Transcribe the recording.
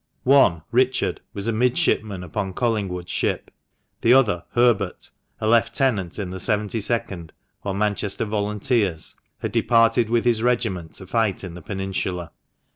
One, Richard, was a midshipman upon Collingwood's ship; the other, Herbert, a lieutenant in the /and, or Manchester Volunteers, had departed with his regiment to fight in the Peninsula.